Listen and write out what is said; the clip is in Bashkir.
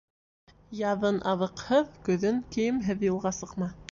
Яҙын аҙыҡһыҙ, көҙөн кейемһеҙ юлға сыҡма.